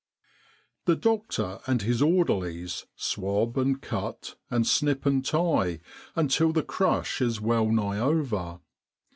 1 The doctor and his orderlies swab and cut and snip and tie until the crush is well nigh over.